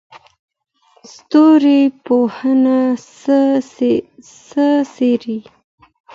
ستوري پوهنه څه څېړي؟